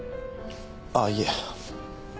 あぁいえ。